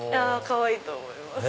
かわいいと思います。